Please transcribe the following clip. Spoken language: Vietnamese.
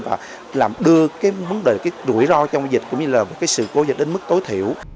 và làm đưa cái vấn đề cái rủi ro trong dịch cũng như là cái sự cố dịch đến mức tối thiểu